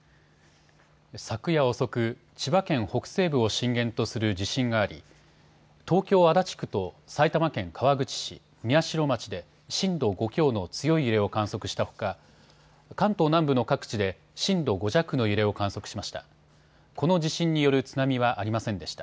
昨夜遅く、千葉県北西部を震源とする地震があり東京足立区と埼玉県川口市、宮代町で震度５強の強い揺れを観測したほか関東南部の各地で震度５弱の揺れを観測しました。